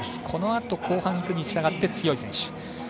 このあと、後半にいくにつれて強い選手。